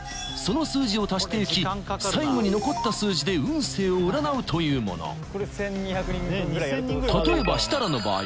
その数字を足して行き最後に残った数字で運勢を占うというもの